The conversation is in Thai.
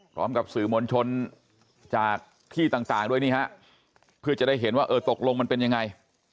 พร้อมกับสื่อมวลชนจากที่ต่างด้วยนี่ฮะเพื่อจะได้เห็นว่าเออตกลงมันเป็นยังไง